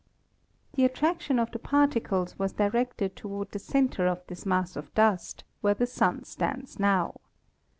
The attrac tion of the particles was directed toward the center of this mass of dust, where the Sun stands now.